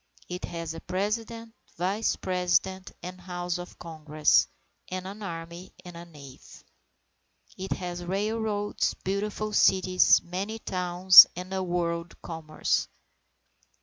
It has a President, Vice President, and House of Congress, and an army and navy. It has railroads, beautiful cities, many towns, and a world commerce.